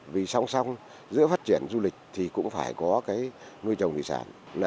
vì song song giữa phát triển du lịch thì cũng phải có cái nuôi trồng thủy sản